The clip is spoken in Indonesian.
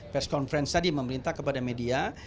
peskonferensi tadi memerintah kepada media